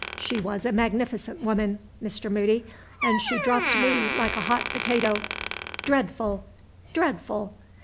She was a magnificent woman, Mr. Moody, and she dropped me like a hot potato. Dreadful! dreadful!